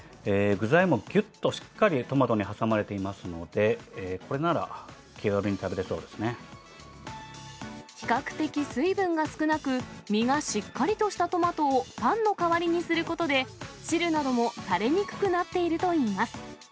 具材もぎゅっとしっかりトマトに挟まれていますので、これなら、比較的水分が少なく、実がしっかりとしたトマトをパンの代わりにすることで、汁などもたれにくくなっているといいます。